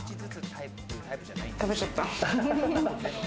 食べちゃった。